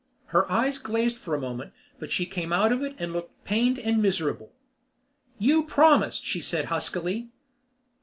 Her eyes glazed for a moment but she came out of it and looked pained and miserable. "You promised," she said huskily.